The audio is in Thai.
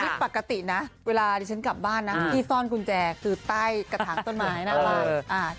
นี่ปกตินะเวลาดิฉันกลับบ้านนะที่ซ่อนกุญแจคือใต้กระถางต้นไม้หน้าบ้าน